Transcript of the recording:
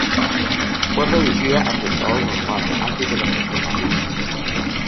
Fue reducida a su estado normal, antes de la transformación.